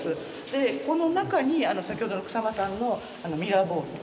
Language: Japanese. でこの中に先ほどの草間さんのミラーボールを。